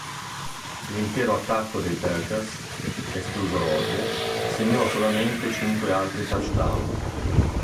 L'intero attacco dei Packers, escluso Rote, segnò solamente cinque altri touchdown.